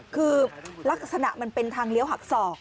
คือลักษณะมันเป็นทางเลี้ยวหักศอก